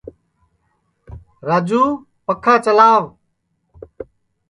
راجُو پکھا چلاوَ